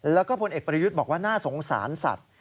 แล้วก็พลเอกประยุทธ์บอกว่าน่าสงสารสัตว์